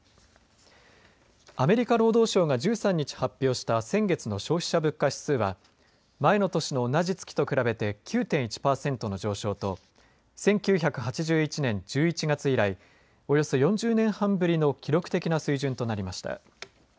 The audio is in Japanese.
アメリカ労働省が１３日発表した先月の消費者物価指数は前の年の同じ月と比べて９．１パーセントの上昇と１９８１年１１月以来およそ４０年半ぶりの記録的な水準となりました。